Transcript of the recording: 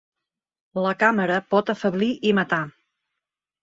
La càmera pot afeblir i matar.